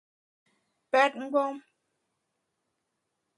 Pèt mgbom !